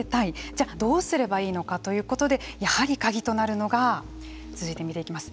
じゃあ、どうすればいいのかということでやはりカギとなるのが続いて見ていきます。